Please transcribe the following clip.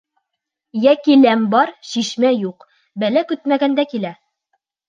Йәки ләм бар, шишмә юҡ. Бәлә көтмәгәндә килә